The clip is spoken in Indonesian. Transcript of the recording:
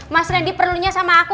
mas rendy perlunya sama aku